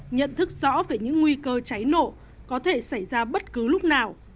nhận thức rõ về những nguy cơ cháy nổ có thể xảy ra bất cứ lúc nào